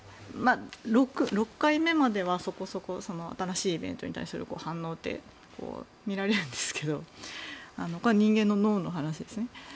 ６回目まではそこそこ新しいイベントに対する反応って見られるんですけどこれは人間の脳の話ですね。